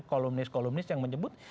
kolumnis kolumnis yang menyebut